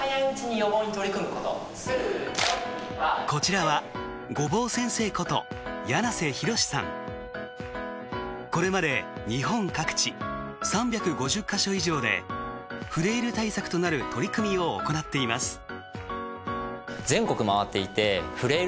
こちらはこれまで日本各地３５０か所以上でフレイル対策となる取り組みを行っています。